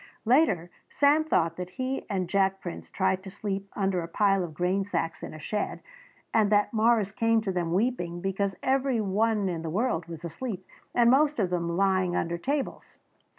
Later Sam thought that he and Jack Prince tried to sleep under a pile of grain sacks in a shed and that Morris came to them weeping because every one in the world was asleep and most of them lying under tables.